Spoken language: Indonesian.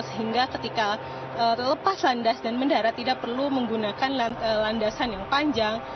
sehingga ketika lepas landas dan mendarat tidak perlu menggunakan landasan yang panjang